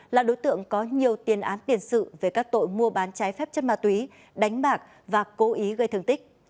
là đối tượng có nhiều tiền án tiền sự về các tội mua bán trái phép chất ma túy đánh bạc và cố ý gây thương tích